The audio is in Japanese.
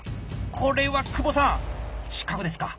これは久保さん失格ですか？